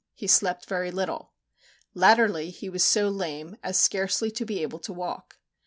He slept very little. Latterly he was so lame, as scarcely to be able to walk.